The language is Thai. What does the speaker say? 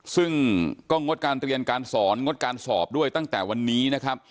ซึ่งก็งดการเรียนการสอนงดการสอบด้วยตั้งแต่วันนี้นะครับ